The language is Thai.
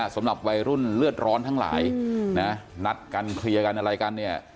สำหรับวัยรุ่นเลือดร้อนทั้งหลายนะนัดกันเคลียร์กันอะไรกันเนี่ย